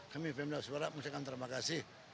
kami pemda seorang saya ucapkan terima kasih